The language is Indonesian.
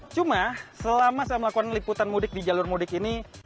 cuma selama saya melakukan liputan mudik di jalur mudik ini